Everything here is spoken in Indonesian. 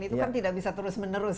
itu kan tidak bisa terus menerus